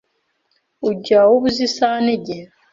Ujya uba uzi isaha nigihe?